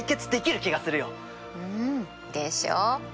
うんでしょう？